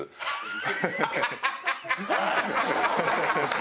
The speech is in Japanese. ハハハハ！